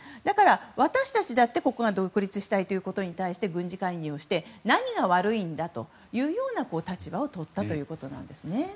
だから、私たちだってここが独立したいことについて軍事介入して何が悪いんだという立場をとったということです。